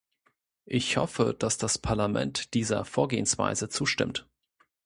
Ich hoffe, dass das Parlament dieser Vorgehensweise zustimmt.